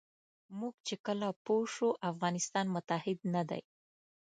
موږ چې کله پوه شو افغانستان متحد نه دی.